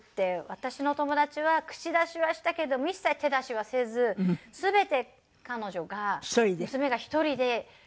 私の友達は口出しはしたけど一切手出しはせず全て彼女が娘が１人で２日間かけて。